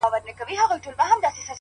ښكلي دا ستا په يو نظر كي جــادو؛